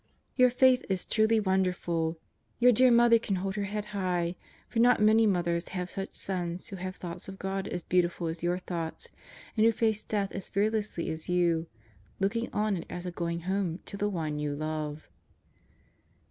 Your Faith is truly wonderful! Your dear mother can hold her head high; for not many mothers have such sons who have thoughts of God as beautiful as your thoughts and who face death as fear lessly as you, looking on it as a going Home to the One you love.